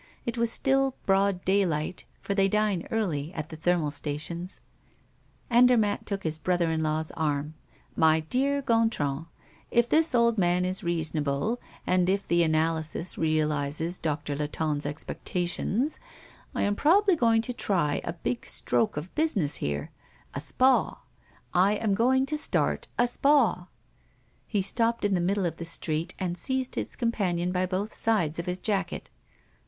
It was still broad daylight, for they dine early at thermal stations. Andermatt took his brother in law's arm. "My dear Gontran, if this old man is reasonable, and if the analysis realizes Doctor Latonne's expectations, I am probably going to try a big stroke of business here a spa. I am going to start a spa!" He stopped in the middle of the street, and seized his companion by both sides of his jacket.